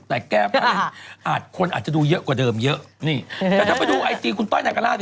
แต่แก้ผ้าอาจคนอาจจะดูเยอะกว่าเดิมเยอะนี่แต่ถ้าไปดูไอจีคุณต้อยนากาล่า